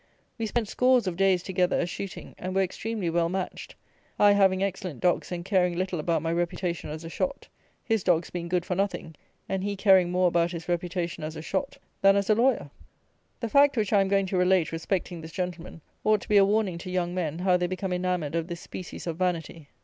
We spent scores of days together a shooting, and were extremely well matched, I having excellent dogs and caring little about my reputation as a shot, his dogs being good for nothing, and he caring more about his reputation as a shot than as a lawyer. The fact which I am going to relate respecting this gentleman, ought to be a warning to young men, how they become enamoured of this species of vanity.